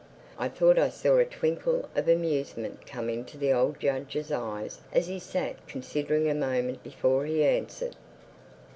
I thought I saw a twinkle of amusement come into the old judge's eyes as he sat considering a moment before he answered.